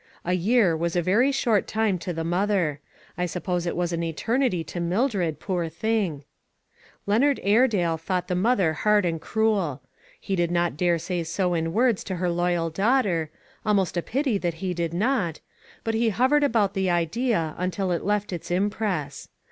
A year was a very short time to the mother. I suppose it was an eternity to Mildred, poor thing. 398 ONE COMMONPLACE DAY. Leonard Airedale thought the mother hard and cruel. He did not dare say so in words to her loyal daughter — almost a pity that he had not — but lie hovered about the idea, until it left its impress.